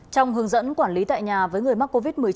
trong hướng dẫn quản lý tại nhà với người mắc covid một mươi chín